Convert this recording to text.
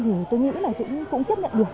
thì tôi nghĩ là cũng chấp nhận được